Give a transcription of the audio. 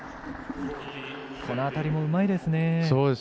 この辺りもうまいですね。